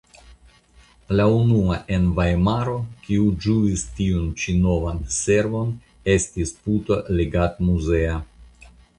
La unua en Vajmaro kiu ĝuis tiun ĉi novan servon estis Puto legadmuzea.